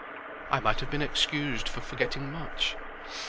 I might have been excused for forgetting much.